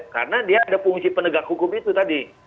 karena dia ada fungsi penegak hukum itu tadi